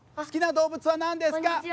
好きな動物は何ですか？